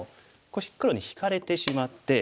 黒に引かれてしまって。